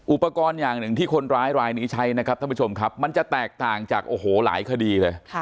อุปกรณ์อย่างหนึ่งที่คนร้ายรายนี้ใช้นะครับท่านผู้ชมครับมันจะแตกต่างจากโอ้โหหลายคดีเลย